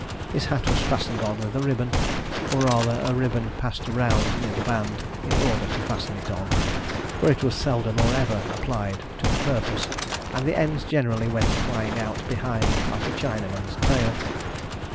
His hat was fastened on with a ribbon, or rather a ribbon passed round near the band, in order to fasten it on, for it was seldom or ever applied to the purpose, and the ends generally went flying out behind like a Chinaman's tail.